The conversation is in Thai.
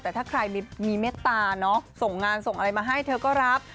แต่ถ้าใครมีเมตตาเนาะส่งงานส่งอะไรมาให้เธอก็รับ